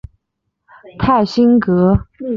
泰辛格是德国巴伐利亚州的一个市镇。